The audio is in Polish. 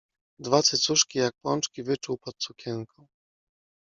Dwa cycuszki jak pączki wyczuł pod sukienką